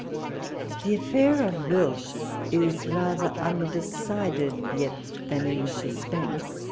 The affair of Wilkes is rather undecided yet, than in suspense.